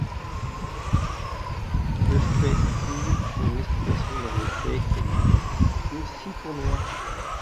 Ce fait trouve son explication dans le fait qu'elle ne dispute que six tournois.